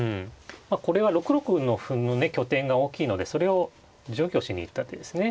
まあこれは６六歩の歩のね拠点が大きいのでそれを除去しに行った手ですね。